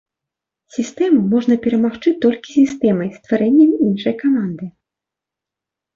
Сістэму можна перамагчы толькі сістэмай, стварэннем іншай каманды.